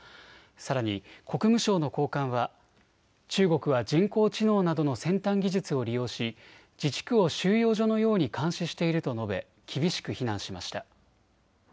さらに国務省の高官は中国は人工知能などの先端技術を利用し自治区を収容所のように監視していると述べ厳しく非難しました。